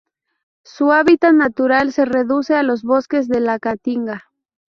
Su hábitat natural se reduce a los bosques de la Caatinga.